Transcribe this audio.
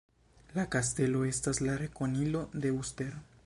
La kastelo estas la rekonilo de Uster.